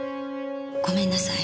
ごめんなさい。